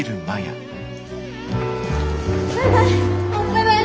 バイバイ。